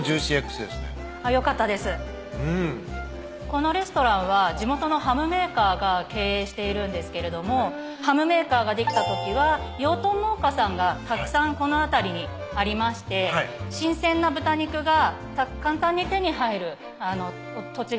このレストランは地元のハムメーカーが経営しているんですけれどもハムメーカーができたときは養豚農家さんがたくさんこの辺りにありまして新鮮な豚肉が簡単に手に入る土地柄だったんですよ。